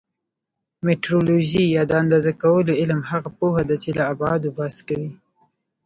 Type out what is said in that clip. میټرولوژي یا د اندازه کولو علم هغه پوهه ده چې له ابعادو بحث کوي.